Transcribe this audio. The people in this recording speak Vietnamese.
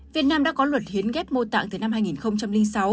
việt nam đã có luật hiến ghép mô tạng từ năm hai nghìn sáu